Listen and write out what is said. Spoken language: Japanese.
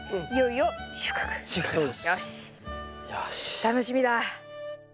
よし楽しみだ。